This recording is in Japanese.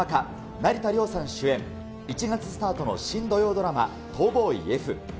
成田凌さん主演、１月スタートの新土曜ドラマ、逃亡医Ｆ。